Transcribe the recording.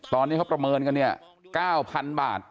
ตอนนี้เขาประเมินกันเนี่ย๙๐๐๐บาท